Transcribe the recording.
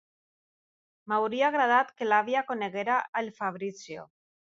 M'hauria agradat que l'àvia coneguera el Fabrizio.